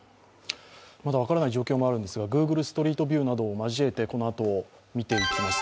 まだ分からない状況もあるんですがグーグルストリ−トビューなどを交えてこのあと見ていきます。